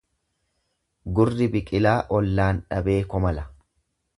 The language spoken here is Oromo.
Gurri biqilaa ollaan dhabee komala.